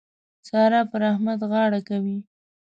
سارا پر احمد غاړه کوي.